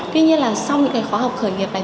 tuy nhiên là sau những cái khóa học khởi nghiệp này